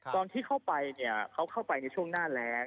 ตอนที่เข้าไปเนี่ยเขาเข้าไปในช่วงหน้าแรง